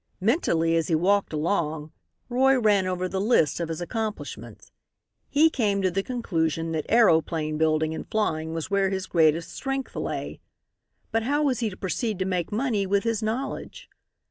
Mentally, as he walked along, Roy ran over the list of his accomplishments. He came to the conclusion that aeroplane building and flying was where his greatest strength lay. But how was he to proceed to make money with his knowledge?